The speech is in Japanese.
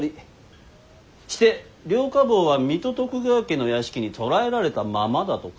して両火房は水戸徳川家の屋敷に捕らえられたままだとか。